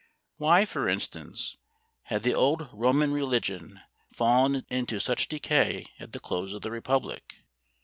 Why, for instance, had the old Roman religion fallen into such decay at the close of the Republic?